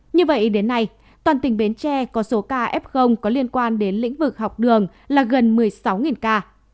như vậy đến nay toàn tỉnh bến tre có số ca f có liên quan đến lĩnh vực học đường là gần một mươi sáu ca